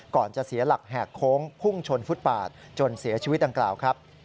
จะเสียหลักแหกโค้งพุ่งชนฟุตปาดจนเสียชีวิตดังกล่าวครับ